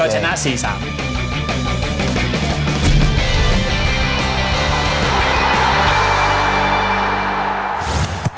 ก็ชนะ๔๓